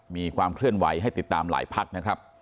มีความเคลื่อนไหวให้ติดตามหลายพักนะครับ